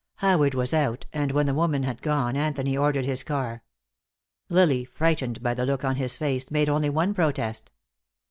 Howard was out, and when the woman had gone Anthony ordered his car. Lily, frightened by the look on his face, made only one protest.